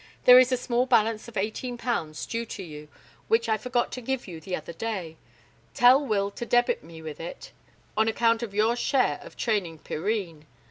There is a small balance of £18 due to you, which I forgot to give you the other day. Tell Will to debit me with it on account of your share of training Pyrrhine.